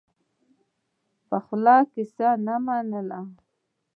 پخلا کیسه نه منله.